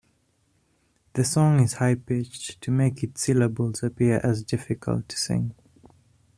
The song is high-pitched to make its syllables appear as difficult to sing.